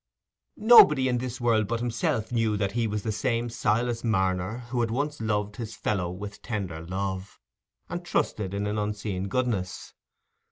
Nobody in this world but himself knew that he was the same Silas Marner who had once loved his fellow with tender love, and trusted in an unseen goodness.